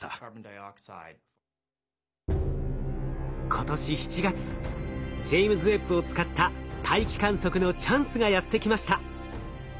今年７月ジェイムズ・ウェッブを使った大気観測のチャンスがやってきました。